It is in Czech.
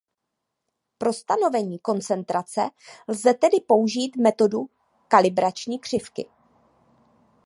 Pro stanovení koncentrace lze tedy použít metodu kalibrační křivky.